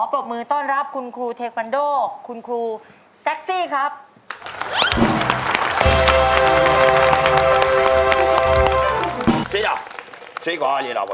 ก็จะเตะสูงอ่ะโอ้โฮ